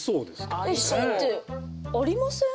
えっＣってありません？